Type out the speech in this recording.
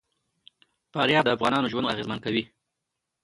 فاریاب د افغانانو ژوند اغېزمن کوي.